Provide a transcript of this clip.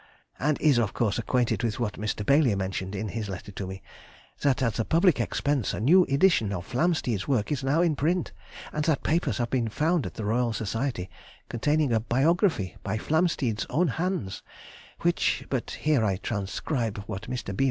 and is of course acquainted with what Mr. Baily mentioned in his letter to me, that at the public expense a new edition of Flamsteed's work is now in print, and that papers have been found at the Royal Society containing a biography by Flamsteed's own hands, which—but here I transcribe what Mr. B.